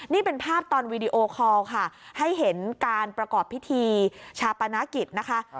นี่เป็นภาพตอนวีดีโอคอลค่ะให้เห็นการประกอบพิธีชาปนกิจนะคะ